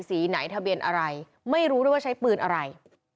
สีไหนทะเบียนอะไรไม่รู้ด้วยว่าใช้ปืนอะไร